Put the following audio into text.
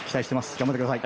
頑張ってください。